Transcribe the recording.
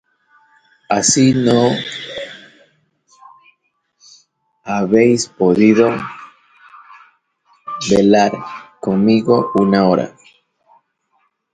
¿Así no habéis podido velar conmigo una hora?